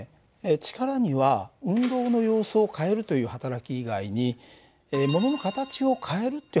力には運動の様子を変えるというはたらき以外にものの形を変えるっていうはたらきがあったでしょ。